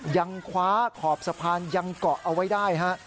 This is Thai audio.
ยังคว้าขอบสะพานยังเกาะเอาไว้ได้ฮะ